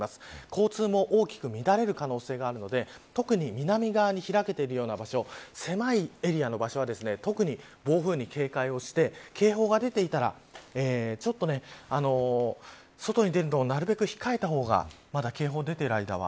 交通も大きく乱れる可能性があるので特に南側に開けている場所狭いエリアの場所は特に暴風に警戒をして警報が出ていたらちょっと外に出るのを控えた方がまだ、警報が出ている間は。